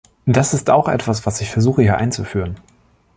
Das ist auch etwas, was ich versuche, hier einzuführen.